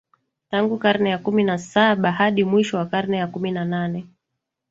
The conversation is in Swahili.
tangu karne ya kumi na saba hadi mwisho wa karne ya kumi na nane